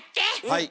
はい。